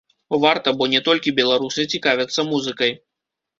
Варта, бо не толькі беларусы цікавяцца музыкай.